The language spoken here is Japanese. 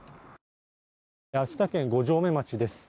秋田県五城目町です。